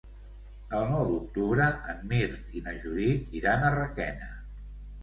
El nou d'octubre en Mirt i na Judit iran a Requena.